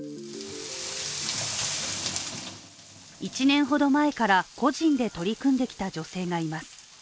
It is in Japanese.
１年ほど前から個人で取り組んできた女性がいます。